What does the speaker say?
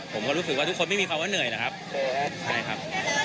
ผมก็รู้สึกว่าทุกคนไม่มีความว่าเหนื่อยหรอกครับใช่ครับ